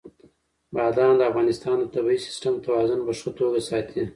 بادام د افغانستان د طبعي سیسټم توازن په ښه توګه ساتي.